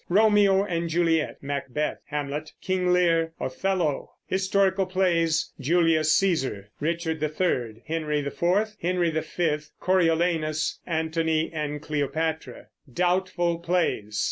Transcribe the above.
Romeo and Juliet, Macbeth, Hamlet, King Lear, Othello. Historical Plays. Julius Cæsar, Richard III, Henry IV, Henry V, Coriolanus, Antony and Cleopatra. DOUBTFUL PLAYS.